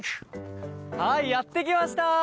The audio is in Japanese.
はいやって来ました。